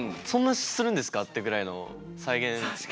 そんなするんですかってぐらいの再現。